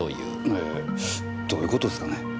ええどういう事ですかね？